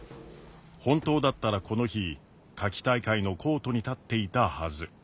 本当だったらこの日夏季大会のコートに立っていたはず。